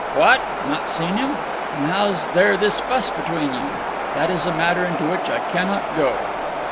"What! Not seen him? Then how's there this fuss between you?" "That is a matter into which I cannot go."